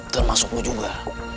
termasuk lu juga